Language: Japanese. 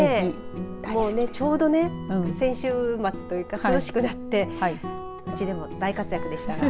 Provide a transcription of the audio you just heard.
もうね、ちょうどね、先週末というか涼しくなってうちでも大活躍でした。